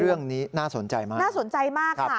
เรื่องนี้น่าสนใจมากน่าสนใจมากค่ะ